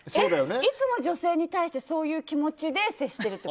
いつも女性に対してそういう気持ちで接していると。